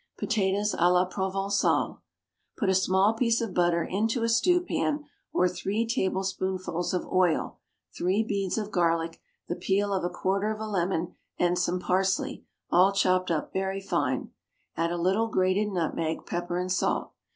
POTATOES A LA PROVENCALE. Put a small piece of butter into a stew pan, or three tablespoonfuls of oil, three beads of garlic, the peel of a quarter of a lemon, and some parsley, all chopped up very fine; add a little grated nutmeg, pepper and salt.